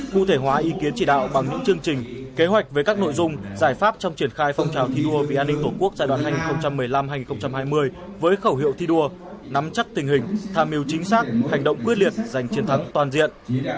cụ thể hóa ý kiến chỉ đạo bằng những chương trình kế hoạch với các nội dung giải pháp trong triển khai phong trào thi đua vì an ninh tổ quốc giai đoạn hai nghìn một mươi năm hai nghìn hai mươi với khẩu hiệu thi đua nắm chắc tình hình tham mưu chính xác hành động quyết liệt giành chiến thắng toàn diện